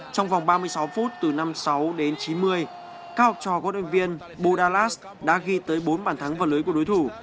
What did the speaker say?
trong vòng ba mươi sáu phút từ năm sáu đến chín mươi các học trò của đội viên budalas đã ghi tới bốn bản thắng vật lưới của đối thủ